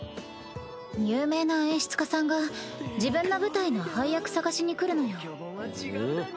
有名な演出家さんが自分の舞台の配役探しに来るのよへえ